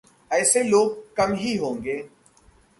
ऐसे लोग कम ही होंगे।